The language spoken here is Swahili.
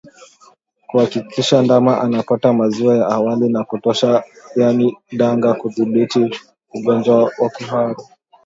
Kuhakikisha ndama anapata maziwa ya awali ya kutosha yaani danga hudhibiti ugonjwa wa kuhara